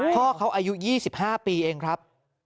พ่อเขาอายุ๒๕ปีเองครับ